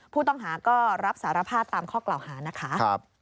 ผู้ต้องหาก็รับสารภาพตามข้อกล่าวหานะคะ